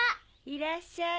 いらっしゃい。